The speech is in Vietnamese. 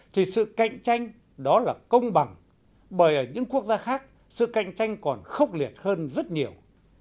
thì sự cạnh tranh đó là công bằng bởi ở những quốc gia khác sự cạnh tranh còn khốc liệt hơn rất nhiều